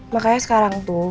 makanya sekarang tuh